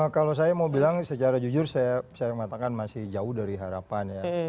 kalau saya mau bilang secara jujur saya mengatakan masih jauh dari harapan ya